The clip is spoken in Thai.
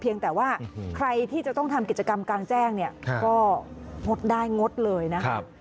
แต่ว่าใครที่จะต้องทำกิจกรรมกลางแจ้งเนี่ยก็งดได้งดเลยนะครับ